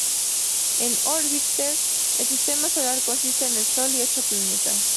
En "Orbiter" el sistema solar consiste en el sol y ocho planetas.